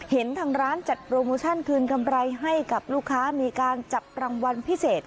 เห็นทางร้านจัดโปรโมชั่นคืนกำไรให้กับลูกค้ามีการจับรางวัลพิเศษ